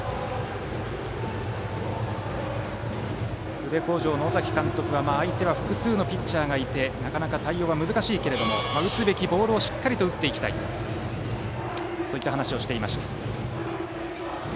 宇部鴻城の尾崎監督は相手は複数のピッチャーがいてなかなか対応が難しいけれども打つべきボールをしっかりと打っていきたいと話していました。